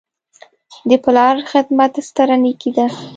د پلار خدمت ستره نیکي ده.